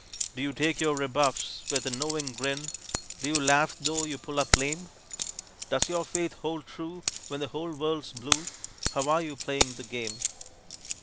Do you take your rebuffs with a knowing grin? Do you laugh tho' you pull up lame? Does your faith hold true when the whole world's blue? How are you playing the game?